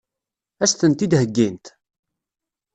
Ad as-tent-id-heggint?